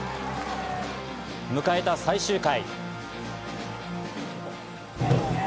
迎えた最終回。